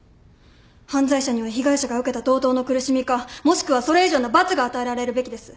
犯罪者には被害者が受けた同等の苦しみかもしくはそれ以上の罰が与えられるべきです。